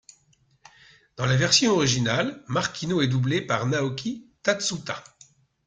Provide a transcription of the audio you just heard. Dans la version originale, Markino est doublé par Naoki Tatsuta.